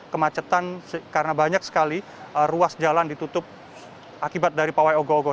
kemacetan karena banyak sekali ruas jalan ditutup akibat dari pawai ogo ogo